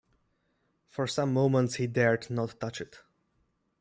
For some moments he dared not touch it.